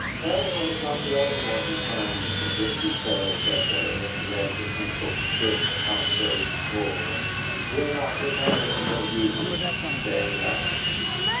Ariel was not the only one who climbed the dingy stairs that day and read the pencilled script upon Joe's door: "Will not return until evening. J. Louden."